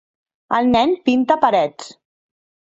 El nen pinta parets.